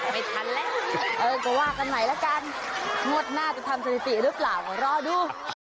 ไม่ทันแล้วเออก็ว่ากันใหม่ละกันงวดหน้าจะทำสถิติหรือเปล่ารอดู